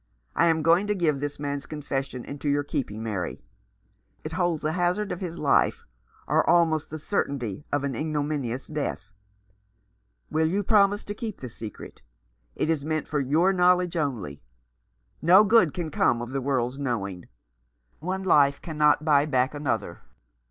" I am going to give this man's confession into your keeping, Mary. It holds the hazard of his life, or almost the certainty of an ignominious death. Will you promise to keep the secret ? It is meant for your knowledge only. No good can come of the world's knowing. One life cannot buy back another.